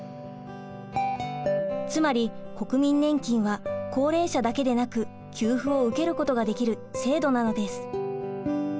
つまり国民年金は高齢者だけでなく給付を受けることができる制度なのです。